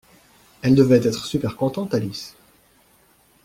Elle devait être super contente Alice!